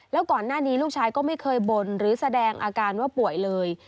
แล้วก่อนหน้านี้ลูกชายก็ไม่เคยบ่นหรือแสดงอาการว่าป่วยเลย